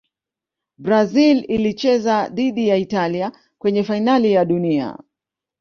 brazil ilicheza dhidi ya italia kwenye fainali ya dunia